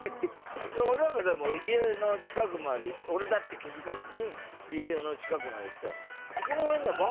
俺なんか家の近くまで俺だって気づかずに家の近くまで来たら。